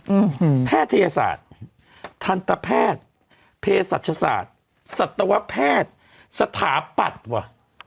อืมแพทยศาสตร์ทันตแพทย์เพศศาสตร์สัตวแพทย์สถาปัตย์ว่ะ